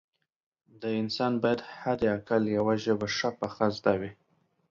د انسان باید حد اقل یوه ژبه ښه پخه زده وي